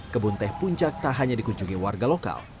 kebun teh puncak tak hanya dikunjungi warga lokal